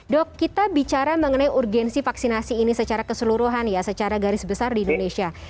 dok kita bicara mengenai urgensi vaksinasi ini secara keseluruhan ya secara garis besar di indonesia